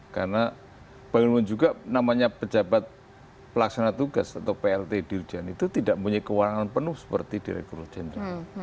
karena bahkan juga namanya pejabat pelaksana tugas atau plt dirjan itu tidak punya kewarangan penuh seperti direktur jenderal